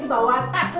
ini bawa tas